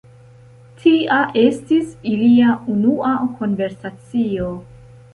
Tia estis ilia unua konversacio.